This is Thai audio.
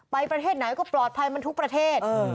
ประเทศไหนก็ปลอดภัยมันทุกประเทศ